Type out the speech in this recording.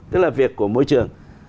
tức là việc của môi trường